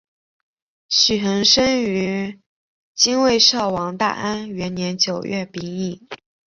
许衡生于金卫绍王大安元年九月丙寅。